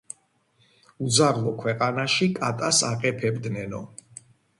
უძაღლო ქვეყანაში კატას აყეფებდნენო